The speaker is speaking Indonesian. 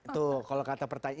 tuh kalau kata pertanyaan